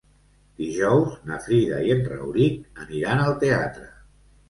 Dijous na Frida i en Rauric aniran al teatre.